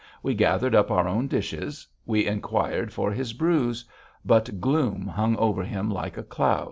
We gathered up our own dishes. We inquired for his bruise. But gloom hung over him like a cloud.